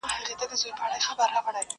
لا هغه سوټک ته څڼي غور ځومه؛